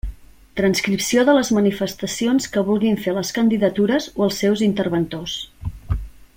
Transcripció de les manifestacions que vulguin fer les candidatures o els seus interventors.